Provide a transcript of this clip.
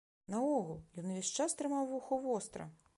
Наогул, ён увесь час трымаў вуха востра.